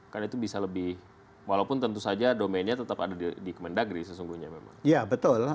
nanti dijawabinnya pak